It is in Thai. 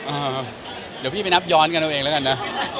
อ่าเดี๋ยวพี่ไปนับย้อนกันเอาเองแล้วกันนะ